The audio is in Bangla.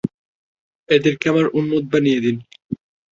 এদেরকে আমার উম্মত বানিয়ে দিন।